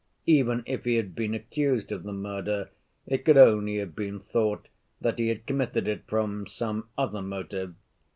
Even if he had been accused of the murder, it could only have been thought that he had committed it from some other motive.